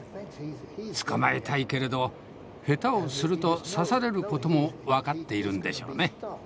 捕まえたいけれど下手をすると刺される事も分かっているんでしょうね。